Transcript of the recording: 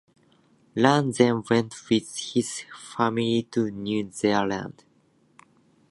Lane then went with his family to New Zealand.